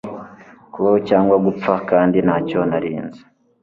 Kubaho cyangwa gupfa kandi ntacyo nari nzi